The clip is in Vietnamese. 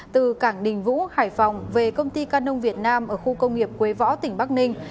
từ cảng đình vũ hải phòng về công ty canon việt nam ở khu công nghiệp quế võ tỉnh bắc ninh